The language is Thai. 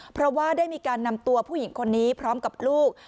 เพราะว่าได้มีการนำตัวผู้หญิงคนนี้พร้อมกับลูก